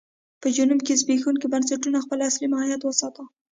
په جنوب کې زبېښونکو بنسټونو خپل اصلي ماهیت وساته.